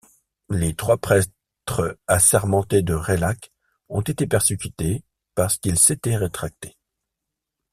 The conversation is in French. Les trois prêtres assermentés de Reihlac ont été persécutés parce qu'ils s'étaient rétractés.